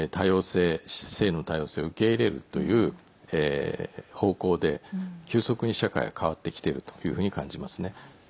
性の多様性を受け入れるという方向で急速に社会が変わってきているというふうに感じますね。